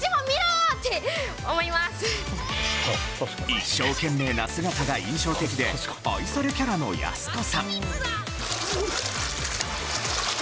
一生懸命な姿が印象的で愛されキャラのやす子さん。